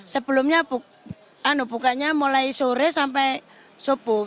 sebelumnya bukanya mulai sore sampai subuh